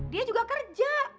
dia juga kerja